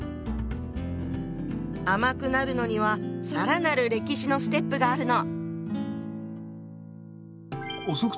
甘くなるのには更なる歴史のステップがあるの。